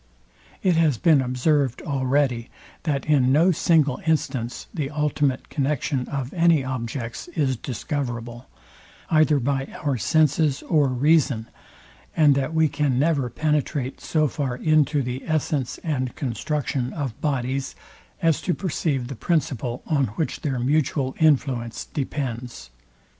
It has been observed already, that in no single instance the ultimate connexion of any objects is discoverable, either by our senses or reason, and that we can never penetrate so far into the essence and construction of bodies, as to perceive the principle, on which their mutual influence depends.